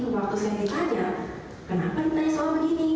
waktu saya ditanya kenapa ditanya soal begini